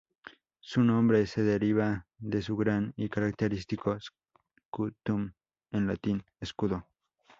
Su nombre se deriva de su gran y característico "scutum", en latín: escudo.